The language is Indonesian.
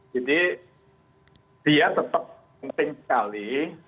jadi dia tetap penting sekali